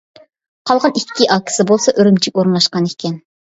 قالغان ئىككى ئاكىسى بولسا ئۈرۈمچىگە ئورۇنلاشقان ئىكەن.